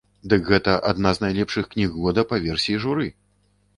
Дык гэта адна з найлепшых кніг года па версіі журы!